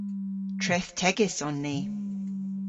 Trethtegys on ni.